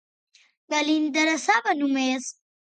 Què li interessava només?